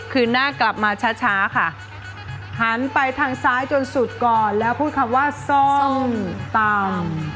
คืนหน้ากลับมาช้าช้าค่ะหันไปทางซ้ายจนสุดก่อนแล้วพูดคำว่าส้มตำ